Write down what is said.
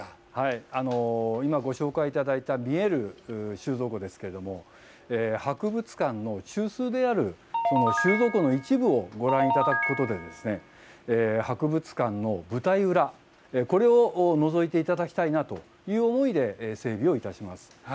今ご紹介いただいた、見える収蔵庫ですけれども、博物館の中枢である収蔵庫の一部をご覧いただくことで、博物館の舞台裏、これをのぞいていただきたいなという思いで、整備をいたします。